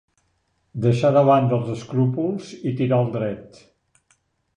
Deixar de banda els escrúpols i tirar al dret.